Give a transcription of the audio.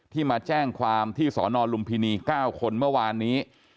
มาแจ้งความที่สนลุมพินี๙คนเมื่อวานนี้